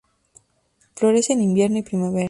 Florece en invierno y primavera.